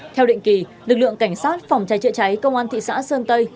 theo định kỳ lực lượng cảnh sát phòng cháy chữa cháy công an thị xã sơn tây